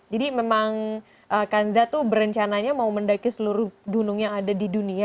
jadi memang kanza tuh berencananya mau mendaki seluruh gunung yang ada di dunia